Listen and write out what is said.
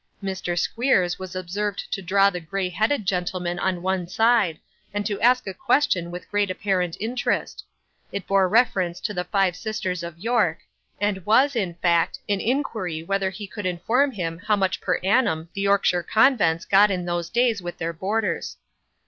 Mr. Squeers was observed to draw the grey headed gentleman on one side, and to ask a question with great apparent interest; it bore reference to the Five Sisters of York, and was, in fact, an inquiry whether he could inform him how much per annum the Yorkshire convents got in those days with their boarders.